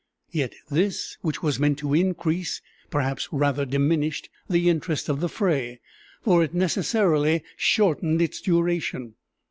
Yet this, which was meant to increase, perhaps rather diminished, the interest of the fray; for it necessarily shortened its duration.